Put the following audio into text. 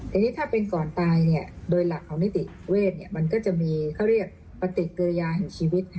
แต่นี่ถ้าเป็นก่อนตายเนี้ยโดยหลักของนิติเวชเนี้ยมันก็จะมีเขาเรียกปฏิกิริยาของชีวิตค่ะ